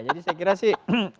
jadi saya kira sih